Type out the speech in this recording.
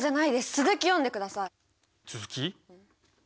続き？